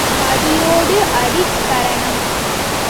அடியோடு அடிக் கரணம்.